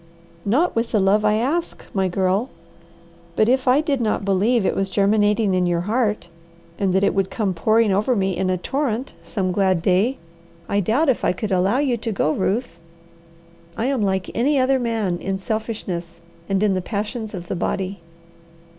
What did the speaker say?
"Not with the love I ask, my girl. But if I did not believe it was germinating in your heart, and that it would come pouring over me in a torrent some glad day, I doubt if I could allow you to go, Ruth! I am like any other man in selfishness and in the passions of the body."